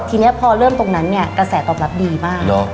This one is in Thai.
ทีนี้พอเริ่มตรงนั้นเนี่ยกระแสตอบรับดีมาก